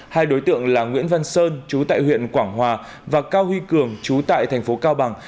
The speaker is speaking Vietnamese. hai đối tượng là nguyễn văn sơn chú tại huyện quảng hòa và cao huy cường chú tại thành phố cao bằng